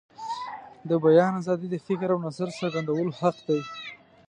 د بیان آزادي د فکر او نظر د څرګندولو حق دی.